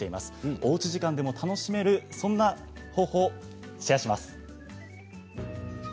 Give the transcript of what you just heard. おうち時間でも楽しめるそんな方法をお教えします。